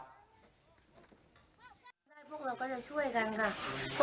พวกเราก็จะช่วยกันค่ะ